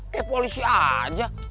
kayak polisi aja